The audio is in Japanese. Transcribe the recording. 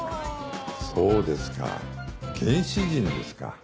そうですか原始人ですか。